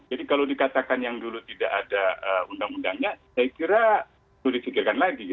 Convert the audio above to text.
jadi kalau dikatakan yang dulu tidak ada undang undangnya saya kira perlu disikirkan lagi